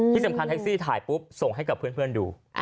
แท็กซี่ถ่ายปุ๊บส่งให้กับเพื่อนดู